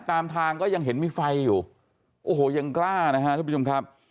ตามทางก็ยังเห็นมีไฟอยู่โอ้โหยังกล้านะฮะทุกผู้ชมครับ